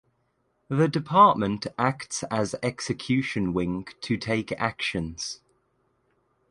The department acts as execution wing to take actions.